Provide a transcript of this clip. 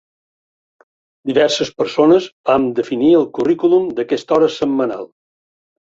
Diverses persones vam definir el currículum d'aquesta hora setmanal.